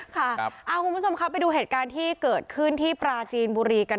คุณผู้ชมครับไปดูเหตุการณ์ที่เกิดขึ้นที่ปราจีนบุรีกัน